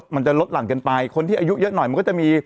มันจะลดหลั่นกันไปคนที่อายุเยอะหน่อยมันก็จะมี